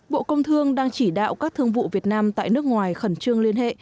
bộ công thương đang chỉ đạo các thương vụ việt nam tại nước ngoài khẩn trương liên hệ